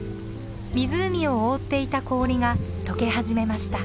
湖を覆っていた氷が解け始めました。